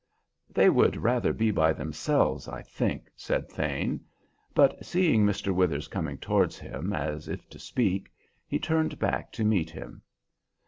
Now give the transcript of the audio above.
"They would rather be by themselves, I think," said Thane. But seeing Mr. Withers coming towards him, as if to speak, he turned back to meet him.